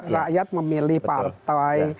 rakyat memilih partai